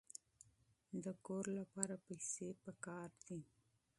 د کور لپاره پیسې پکار دي.